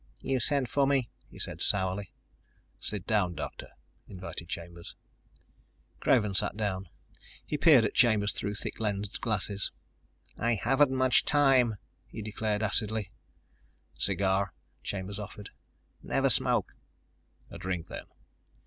"You sent for me," he said sourly. "Sit down, Doctor," invited Chambers. Craven sat down. He peered at Chambers through thick lensed glasses. "I haven't much time," he declared acidly. "Cigar?" Chambers offered. "Never smoke." "A drink, then?"